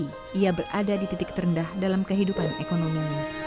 tari tidak berada di titik terendah dalam kehidupan ekonomi